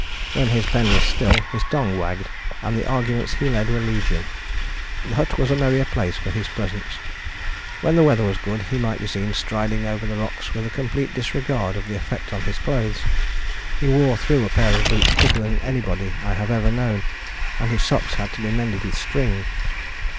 When his pen was still, his tongue wagged, and the arguments he led were legion. The hut was a merrier place for his presence. When the weather was good he might be seen striding over the rocks with a complete disregard of the effect on his clothes: he wore through a pair of boots quicker than anybody I have ever known, and his socks had to be mended with string.